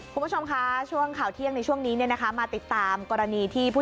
คุณผู้ชมคะช่วงข่าวเที่ยงในช่วงนี้เนี่ยนะคะมาติดตามกรณีที่ผู้